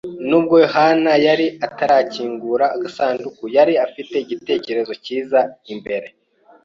Nubwo yohani yari atarakingura agasanduku, yari afite igitekerezo cyiza imbere.